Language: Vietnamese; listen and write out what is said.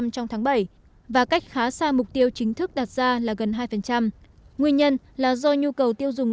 trong tháng bảy và cách khá xa mục tiêu chính thức đặt ra là gần hai nguyên nhân là do nhu cầu tiêu dùng